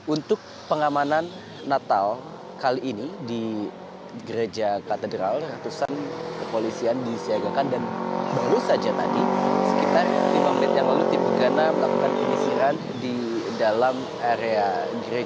untuk pengamanan natal kali ini di gereja katedral ratusan kepolisian disiagakan dan baru saja tadi sekitar lima menit yang lalu tim gegana melakukan penyisiran di dalam area gereja